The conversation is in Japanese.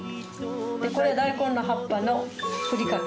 でこれは大根の葉っぱのふりかけ。